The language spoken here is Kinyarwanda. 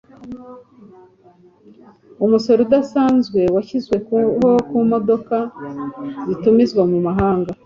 Umusoro udasanzwe washyizweho ku modoka zitumizwa mu mahanga.